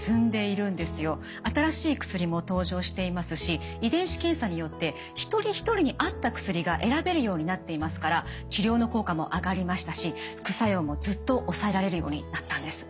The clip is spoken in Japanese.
新しい薬も登場していますし遺伝子検査によって一人一人に合った薬が選べるようになっていますから治療の効果も上がりましたし副作用もずっと抑えられるようになったんです。